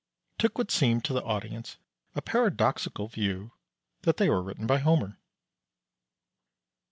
Took what seemed to the audience a paradoxical view that they were written by Homer.